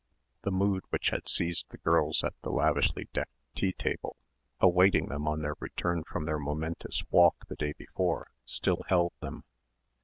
The mood which had seized the girls at the lavishly decked tea table awaiting them on their return from their momentous walk the day before, still held them.